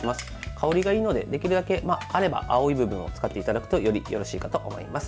香りがいいので、できるだけあれば青い部分を使っていただくとよりよろしいかと思います。